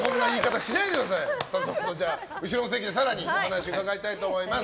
後ろの席で更にお話伺いたいと思います。